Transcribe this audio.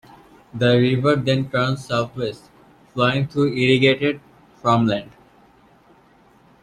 The river then turns southwest, flowing through irrigated farmland.